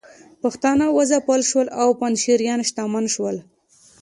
پښتانه وځپل شول او پنجشیریان شتمن شول